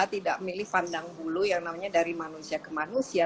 tidak milih pandang bulu yang namanya dari manusia ke manusia